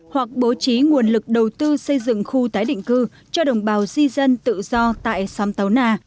hoặc bố trí nguồn lực đầu tư xây dựng khu tái định cư cho đồng bào di dân tự do tại xóm tàu nà